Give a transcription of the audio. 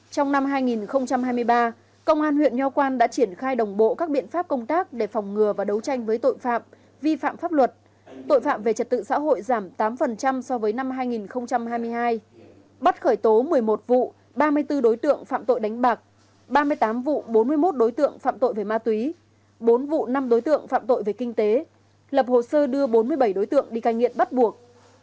trong năm hai nghìn hai mươi ba công an huyện nho quang đã triển khai đồng bộ các biện pháp công tác để phòng ngừa và đấu tranh với tội phạm vi phạm pháp luật tội phạm về trật tự xã hội giảm tám so với năm hai nghìn hai mươi hai bắt khởi tố một mươi một vụ ba mươi bốn đối tượng phạm tội đánh bạc ba mươi tám vụ bốn mươi một đối tượng phạm tội về ma túy bốn vụ năm đối tượng phạm tội về kinh tế lập hồ sơ đưa bốn mươi bảy đối tượng đi cai nghiện bắt buộc